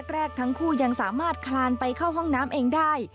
แรกทั้งคู่ยังสามารถคลานไปเข้าห้องน้ำเองได้